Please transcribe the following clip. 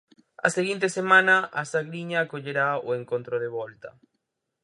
A seguinte semana A Sangriña acollerá o encontro de volta.